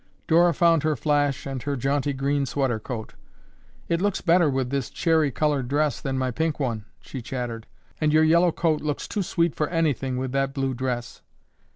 Dora found her flash and her jaunty green sweater coat. "It looks better with this cherry colored dress than my pink one," she chattered, "and your yellow coat looks too sweet for anything with that blue dress.